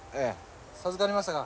授かりましたか。